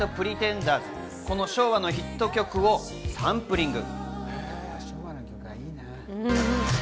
この昭和のヒット曲をサンプリング。